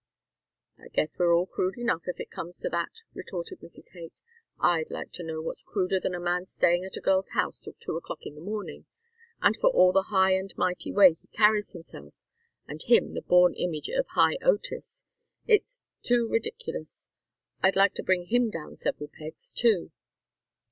"I guess we're all crude enough, if it comes to that," retorted Mrs. Haight. "I'd like to know what's cruder than a man's staying at a girl's house till two o'clock in the morning and for all the high and mighty way he carries himself and him the born image of Hi Otis. It's too ridiculous. I'd like to bring him down several pegs, too."